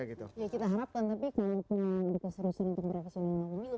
ya kita harapkan tapi kenapa kita serusi untuk mereka sendiri membangun